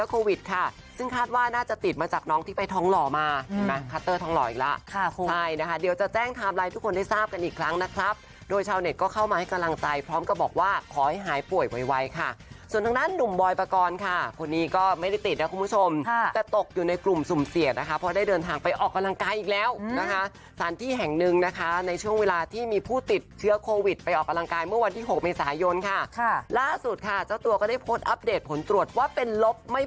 โควิดค่ะซึ่งคาดว่าน่าจะติดมาจากน้องที่ไปท้องหล่อมาใช่ไหมคัตเตอร์ท้องหล่ออีกแล้วค่ะคุณใช่นะคะเดี๋ยวจะแจ้งทามไลน์ทุกคนได้ทราบกันอีกครั้งนะครับโดยชาวเน็ตก็เข้ามาให้กำลังใจพร้อมกับบอกว่าขอให้หายป่วยไวค่ะส่วนทั้งนั้นหนุ่มบอยประกอลค่ะคนนี้ก็ไม่ได้ติดนะคุณผู้ชมค่ะแต่ตก